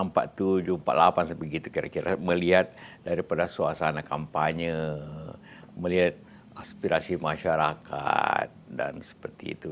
empat puluh delapan sampai gitu kira kira melihat daripada suasana kampanye melihat aspirasi masyarakat dan seperti itu